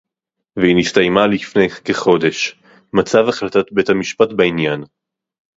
"והיא נסתיימה לפני כחודש; מצ"ב החלטת בית-המשפט בעניין"